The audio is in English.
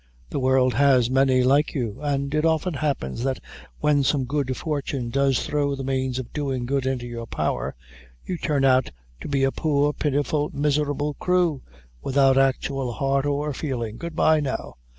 The world has many like you; and it often happens, that when some good fortune does throw the means of doing good into your power, you turn out to be a poor, pitiful, miserable crew, without actual heart or feeling. Goodbye, now.